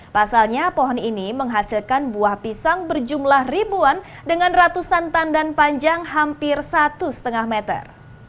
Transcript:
pasalnya pohon ini menghasilkan buah pisang berjumlah ribuan dengan ratusan tandan panjang hampir satu lima meter